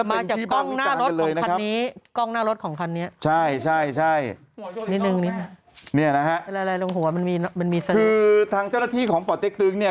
มาจากกล้องหน้ารถของคันนี้ใช่นี่นะฮะคือทางเจ้าหน้าที่ของปเต๊กตึงเนี่ย